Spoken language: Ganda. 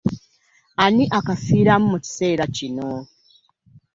Ani akafiiramu mu kiseera kino?